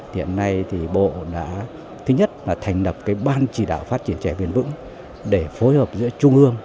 thì hiện nay thì bộ đã thứ nhất là thành đập cái ban chỉ đạo phát triển chè bền vững để phối hợp giữa trung ương